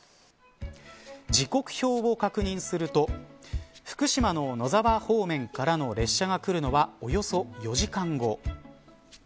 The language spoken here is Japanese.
時刻表を確認すると福島の野沢方面からの列車が来るのはおよそ４時間後。